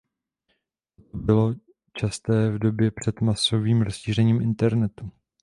Toto bylo časté v době před masovým rozšířením internetu.